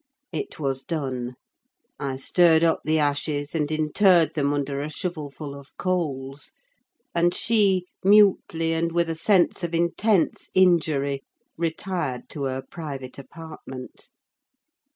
It was done; I stirred up the ashes, and interred them under a shovelful of coals; and she mutely, and with a sense of intense injury, retired to her private apartment.